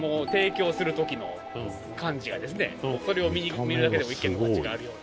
それを見るだけでも一見の価値があるような。